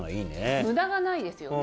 無駄がないですよね。